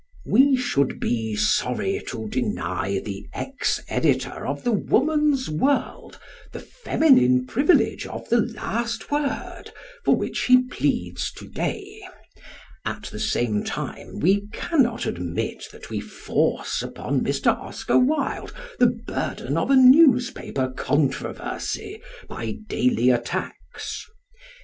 We should be sorry to deny the ex editor of the Woman's World the feminine privilege of "the last word" for which he pleads to day. At the same time we cannot admit that we force upon Mr. Oscar Wilde the burden of a newspaper controversy by "daily attacks." Mr.